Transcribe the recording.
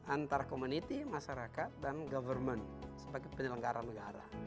antara community masyarakat dan government sebagai penyelenggara negara